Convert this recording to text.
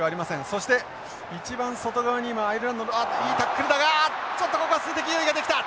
そして一番外側に今アイルランドのあっといいタックルだがちょっとここは数的優位ができた！